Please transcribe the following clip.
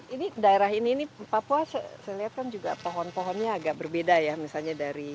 ini daerah ini ini papua saya lihat kan juga pohon pohonnya agak berbeda ya misalnya dari